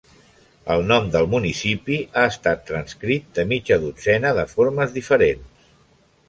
El nom del municipi ha estat transcrit de mitja dotzena de formes diferents.